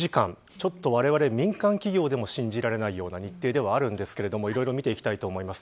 ちょっと、われわれ民間企業でも信じられないような日程ではあるんですけれどもいろいろ見ていきたいと思います。